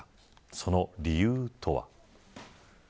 その理由とは。